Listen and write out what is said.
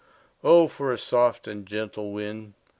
"O for a soft and gentle wind!"